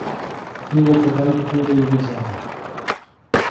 Eu acabei de ver a ilusão!